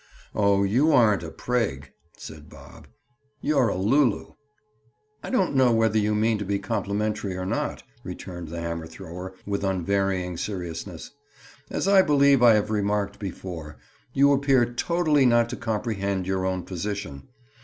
"Oh, you aren't a prig," said Bob. "You're a lu lu." "I don't know whether you mean to be complimentary or not," returned the hammer thrower with unvarying seriousness. "As I believe I have remarked before, you appear totally not to comprehend your own position.